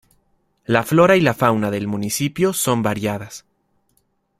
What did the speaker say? La flora y la fauna del Municipio son variadas.